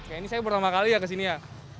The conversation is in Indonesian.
ini saya pertama kali ya ke sini ya